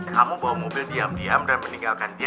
kamu bawa mobil diam diam dan meninggalkan dia